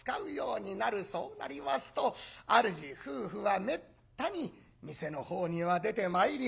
そうなりますと主夫婦はめったに店のほうには出てまいりません。